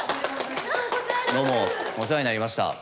どうもお世話になりました。